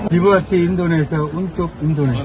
dibuat di indonesia untuk indonesia